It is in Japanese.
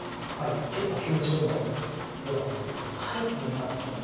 結構急所のように見えます。